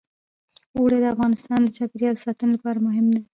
اوړي د افغانستان د چاپیریال ساتنې لپاره مهم دي.